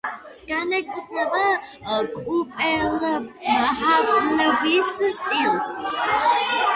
განეკუთვნება კუპელჰალეს სტილს.